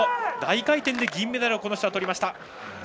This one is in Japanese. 大回転で銀メダルをとりました。